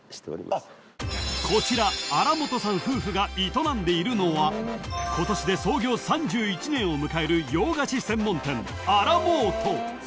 ［こちら新本さん夫婦が営んでいるのは今年で創業３１年を迎える洋菓子専門店ア・ラモート］